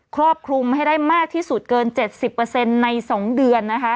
ครอบคลุมให้ได้มากที่สุดเกิน๗๐ใน๒เดือนนะคะ